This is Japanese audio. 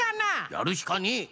やるしかねえ！